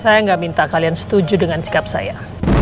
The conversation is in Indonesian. saya nggak minta kalian setuju dengan sikap saya